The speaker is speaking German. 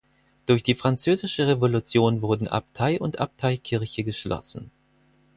Durch die Französische Revolution wurden Abtei und Abteikirche geschlossen.